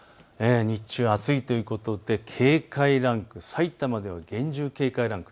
日中暑いということで警戒ランク、さいたまでは厳重警戒ランク。